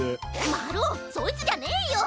まるおそいつじゃねえよ！